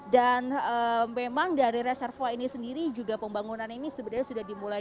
dan memang dari reservoir ini sendiri juga pembangunan ini sebenarnya sudah dimulai